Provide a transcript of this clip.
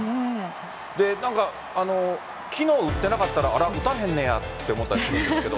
なんか、きのう打ってなかったら、あら、打たへんのやと思ったりするんですけど。